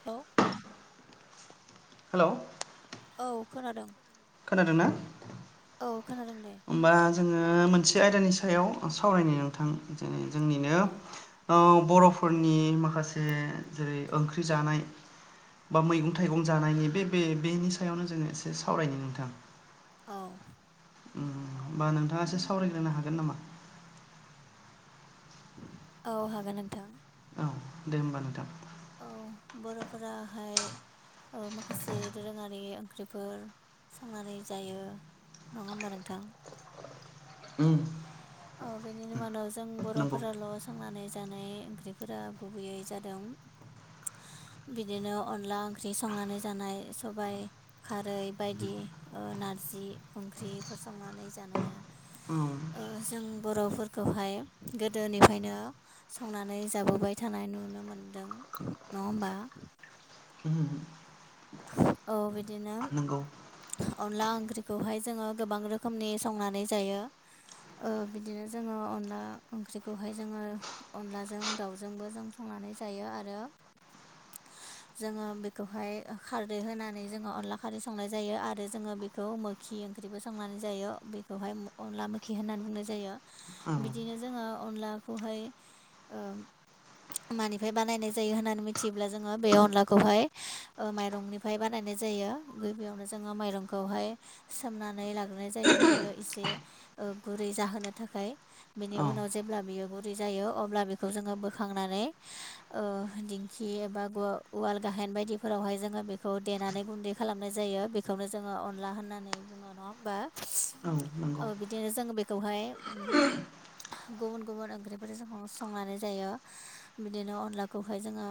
Hello hello औ खोनादों खोनादों ना? औ खोनादों दे होमबा जोङो मोनसे आयदानि सायाव सावरायनि नोंथां जेनै औ जोंनिनो बरफोरनि माखासे जेरै ओंख्रि जानाय बा मैगं थाइगं जानायनि बे बेनि सायावनो जोङो एसे सावरायनो नोंथां औ होमबा नोंथाङासो सावरायग्रोनो हागोन नामा? औ हागोन नोंथां औ दे होमबा नोंथां औ बरफोराहाय ओ माखासे दोरोङारि ओंख्रिफोर संनानै जायो नङा होमबा नोंथां? उम औ बेनिनि मादाव जों बर नंगौ फोराल संनानै जानाय ओंख्रिफोरा गुबैयै जादों बिदिनो अनला ओंख्रि संनानै जानाय सबाइ खारै बायदि नारजि ओंख्रिफोर संनानै जानाया। ओम। ओह जों बर'फोरखौहाय गोदोनिफ्रायनो संनानै जाबोबाय थानाय नुनो मोनदों। नङा होमबा? ओम। औ बिदिनो नंगौ अनला ओंख्रिखौहाय जोङो गोबां रोखोमनि संनानै जायो। ओह बिदिनो जोङो अनला ओंख्रिखौहाय जोङो अनलाजों दाउजोंबो जों संनानै जायो आरो। जोङो बेखौहाय खारदै होनानै जोङो अनला खारदै संनाय जायो आरो जोङो बेखौ मोखि ओंख्रिबो संनानै जायो बे हाय अनला मोखि होननानै बुंनाय जायो औ बिदिनो जोङो अनलाखौहाय ओ मानिफ्राय बानायनाय जायो होननानै मिथियोब्ला जोङो बे अनलाखौहाय ओ माइरंनिफ्राय बानायनाय जायो। गिबियावनो जोङो माइरंखौहाय सोमनानै लाग्रोनाय जायो बियो एसे ओ गुरै जाहोनो थाखाय। बिनि औ उनाव जेब्ला बियो गु गुरै जायो अब्ला बेखौ जोङो बोखांनानै ओ डिंखि एबा उवाल गाइहेन बायदिफोराव फोरावहाय जोङो बेखौ देनानै गुन्दै खालामनाय जायो बेखौनो जोङो अनला होननानै बुङो नङा होमबा? औ नंगौ ओ बिदिनो जों बेखौहाय गुबुन गुबुन ओंख्रिफोरजों संनानै जायो बिदिनो अनला खौहाय जोङो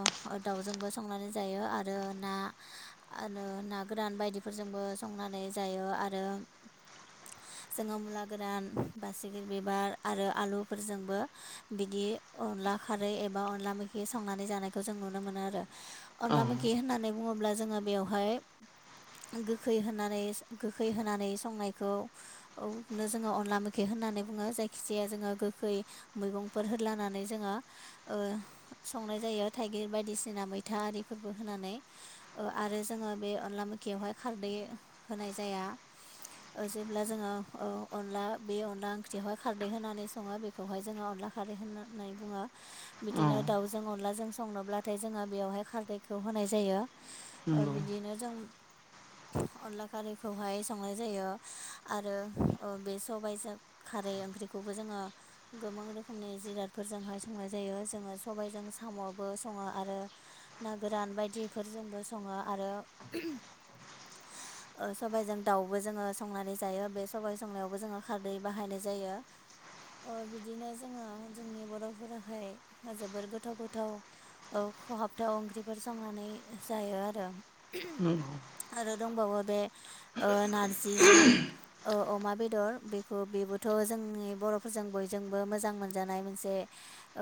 दाउजोंबो संनानै जायो आरो ना आरो ना गोरान बायदिफोरजोंबो संनानै जायो आरो जोङो मुला गोरान, बासिगिर बिबार आरो आलुफोरजोंबो बिदि अनला खारै एबा अनला मैखि संनानै जानायखौ जों नुनो मोनो आरो औ अनला मैखि होननानै बुङोब्ला जोङो बेवहाय गोखै होनानै गोखै होनानै संनायखौ औ जोङो अनला मैखि होननानै बुङो जायखि जाया जोङो गोखै मैगंफोर होद्लानानै जोङो ओ संनाय जायो थाइगिर बायदिसिना मैथा आरिफोर होनानै ओ आरो जोङो बे अनला मैखियावहाय खारदै होनाय जाया। [unintelligible] जेब्ला जोङो ओ अनला बे अनला ओंख्रियावहाय खारदै होनानै संङो बे खौहाय जोङो अनला खारै होननानै बुङो। औ बिदिनो दाउजों अनलाजों संनोब्लाथाय जोङो बेयावहाय खारदैखौ होनाय जायो। ओ नंगौ बिदिनो जों अनला खारैखौहाय संनाय जायो आरो ओ बे सबजों खारै ओंख्रिखौबो जोङो गोबां रोखोमनि जिरादफोरजोंहाय संनाय जायो जोङो सबायजों साम'आवबो सङो आरो ना गोरान बायदिफोरजोंबो सङो आरो ओ सबबायजों दाउबो जोङो संनानै जायो बे सबाय संनायावबो जोङो खारदै बाहायनाय जायो। अ बिदिनो जोङो जोंनि बर'फोराहाय जोबोर गोथाव गोथाव औ खहाबथाव ओंख्रिफोर संनानै जायो आरो। नंगौ आरो दंबावो बे ओ नारजिजों ओ अमा बेदर। बे खौ बेबोथ' जोंनि बर'फोरजों बयजोंबो मोजां मोनजानाय मोनसे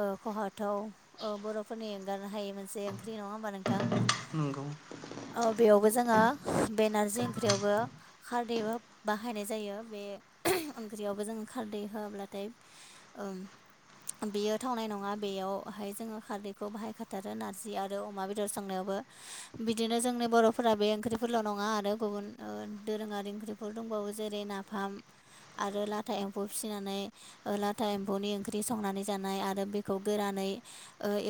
ओ खहाबथाव ओ बर'फोरनि एंगारनो हायै मोनसे ओंख्रि नङा होमबा नोंथां? नंगौ औ बेयावबो जोङो बे नारजि ओंख्रियावबो खारदैबो बाहायनाय जायो बे ओंख्रियावबो जों खारदै होआब्लाथाय ओं बेयो थावनाय नङा बेयावहाय जोङो खारदैखौ बाहायखाथार रो नारजि आरो अमा बेदर संनायावबो बिदिनो जोंनि बर'फोरा बे ओंख्रिफोरल' नङा आरो गुबुन दोरोङारि ओंख्रिफोर दंबावो जेरै ना फाम आरो लाथा एम्फौ फिसिनानै लाथा एम्फौनि ओंख्रि संनानै जानाय आरो बेखौ गोरानै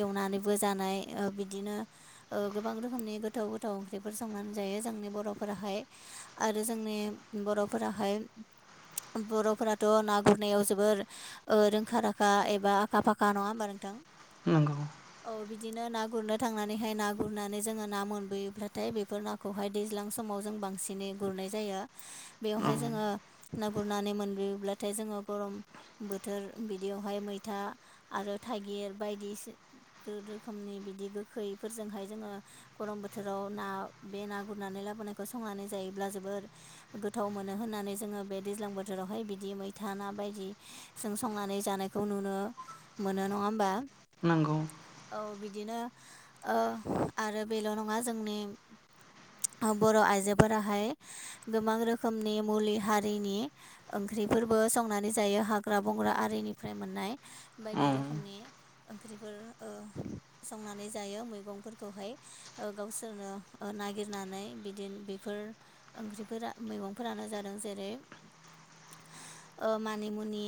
एवनानैबो जा नाय ओ बिदिनो ओ गोबां रोखोमनि गोथाव गोथाव ओंख्रिफोर संनानै जायो जोंनि बर फोराहाय आरो जोंनि बर फोराहाय बर'फोराथ' ना गुरनायाव जोबोर ओ रोंखा राखा एबा आखा फाखा नङा होमबा नोंथां? नंगौ। औ बिदिनो ना गुरनो थांनानैहाय ना गुरनानै जोङो ना मोनबोयोब्लाथाय बेफोर नाखौहाय दैज्लां समाव जों बांसिनै गुरनाय जायो औ बेवहाय जोङो ना गुरनानै मोनबोयोब्लाथाय जोङो गरम बोथोर बिदियावहाय मैथा आरो थाइगिर बायदि रोखोमनि बिदि गोखैफोरजोंहाय जोङो गरम बोथोराव ना बे ना गुरनानै लाबोनायखौ संनानै जायोब्ला जोबोर गोथाव मोनो होननानै जोङो बे दैज्लां बोथोरावहाय बिदि मैथा ना बायदि जों संनानै जानायखौ नुनो मोनो नङा होमबा? नंगौ। औ बिदिनो आरो बेल' नङा जोंनि बर' आइजोफोराहाय गोबां रोखोमनि मुलि हारिनि ओंख्रिफोरबो संनानै जायो हाग्रा बंग्रा आरिनिफ्राय मोननाय बायदि औ रोखोमनि ओंख्रिफोर ओ‌ संनानै जायो मैगंफोरखौहाय ओ गावसोरनो नागिरनानै बिदिनो बेफोर ओंख्रिफोरा मैगंफोरानो जादों जेरै ओ मानिमुनि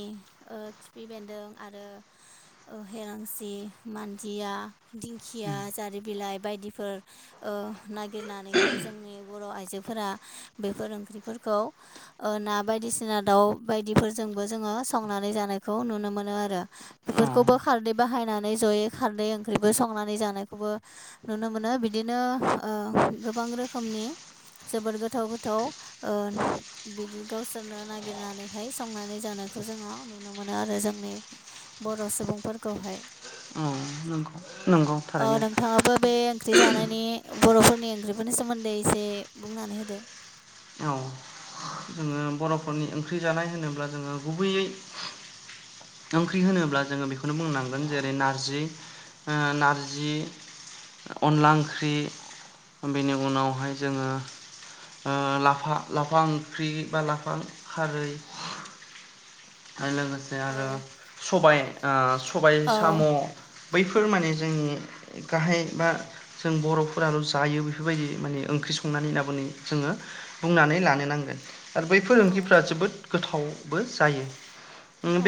ओ खिफि बेन्दों आरो हेलांसि मान दिया दिंखिया औ जारि बिलाइ बायदिफोर नागिरनानैहाय जोंनि बर' आइजोफोरा बेफोर ओंख्रिफोरखौ ओ ना बायदिसिना दाउ बायदिफोरजोंबो जोङो संनानै जानायखौ नुनो मोनो आरो। बेफोरखौबो खारदै बाहायनानै जयै खारदै ओंख्रिबो संनानै जानायखौबो नुनो मोनो बिदिनो ओ गोबां रोखोमनि जोबोद गोथाव गोथाव ओ बिदि गावसोरनो नागिरनानैहाय संनानै जानायखौ जोङो नुनो मोनो आरो जोंनि बर' सुबुंफोरखौहाय। अ नंगौ नंगौ। थारैनो नोंथाङाबो बे ओंख्रि जानायनि बर'फोरनि ओंख्रिफोरनि सोमोन्दै एसे बुंनानै होदो। औ जोङो बर'फोरनि ओंख्रि जानाय होनोब्ला जोङो गुबैयै ओंख्रि होनोब्ला जोङो बेखौनो बुंनांगोन जेरै नारजि ओ नारजि अनला ओंख्रि बेनि उनावहाय जोङो ओ लाफा लाफा ओंख्रि बा लाफा खारै आरो लोगोसे औ आरो सबाय सबाय साम'। औ बैफोर माने जोंनि गाहाय बा जों बर'फोराल' जायो बेफोरबायदि माने ओंख्रि संनानै लाबोनि जोङो बुंनानै लानो नांगोन आरो बै औ फोरोंगिरिफ्रा नंगौ जोबोद गोथावबो जायो।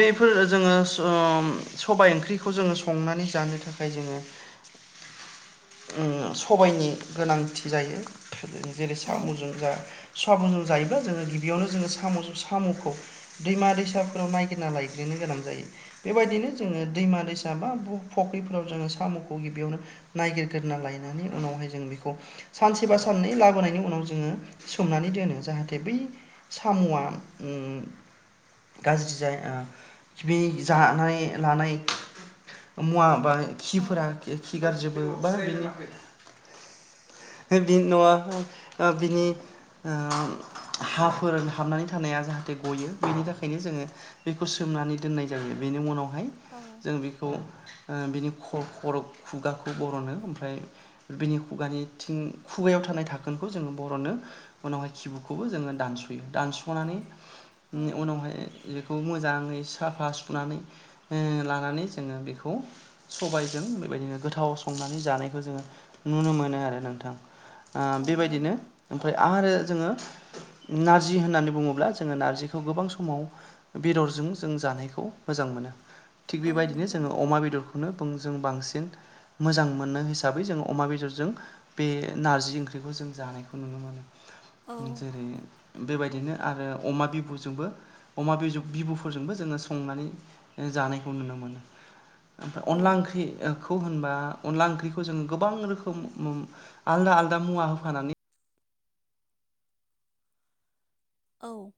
औ जोङो ओम सबाय ओंख्रिखौ जोङो संनानै जानो थाखाय जोङो सबायनि गोनांथि जायो। जेरै औ साम'जों जा साबुजों जायोब्ला जोङो गिबियावनो जोङो साम' साम'खौ दैमा दैसाफोर फोराव नायगिरना लायग्रोनो गोनां जायो बेबायदिनो औ जोङो दैमा दैसा बा फख्रिफोराव जोङो साम'खौ गिबियावनो नायागिरग्रोना लायनानै उनावहाय जों बेखौ सानसेबा साननै लाबोनायनि उनाव जोङो सोमनानै दोनो जाहाथे बै साम'आ उम गाज्रि जायो ओ बे जानाय लानाय मुवा बा औ खिफोरा खि गारजोबो बा बिनि बि न'आ बिनि ओ हाफोर हाबनानै थानाया जाहाथे गयो बेनि थाखाय ओंखायनो जोङो बेखौ सोमनानै दोननाय जायो बेनि उनावहाय। औ जों बेखौ बिनि ख' खर' खुगाखौ बर'नो ओमफाय बिनि खुगानिथिं खुगायाव थानाय थाखोनखौ जोङो बर'नो उनावहाय किबुखौबो जोङो दानस'यो दानस'नानै औ उनावहाय बेखौ मोजाङै साफा सुनानै लानानै जोङो बेखौ सबायजों बेबायदिनो गोथाव संनानै जानायखौ जोङो नुनो मोनो आरो नोंथां। औ बेबायदिनो नंगौ ओमफ्राय आरो जोङो नारजि होननानै बुङोब्ला जोङो नारजिखौ गोबां समाव बेदरजों जों जानायखौ मोजां मोनो थिग औ बेबायदिनो नंगौ जोङो अमा बेदर खौनो जों बांसिन मोजां मोनो हिसाबै जों अमा बेदरजों बे नारजि ओंख्रिखौ जों जानायखौ नुनो मोनो। औ जेरै बेबायदिनो आरो अमा बिबुजोंबो अमा बिबुफोरजोंबो जोङो संनानै जानायखौ नुनो मोनो। ओमफ्राय औ अनला ओंख्रि खौ होनबा अनला ओंख्रिखौ जों गोबां रोखोम उम आलदा आलदा मुवा होफानानै औ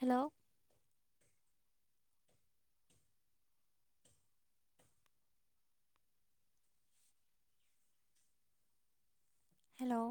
हेलौ हेलौ